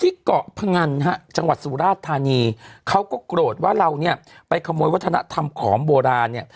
เกาะพงันฮะจังหวัดสุราชธานีเขาก็โกรธว่าเราเนี่ยไปขโมยวัฒนธรรมของโบราณเนี่ย